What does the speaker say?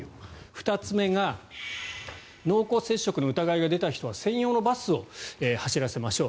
２つ目が濃厚接触の疑いが出た人は専用のバスを走らせましょう。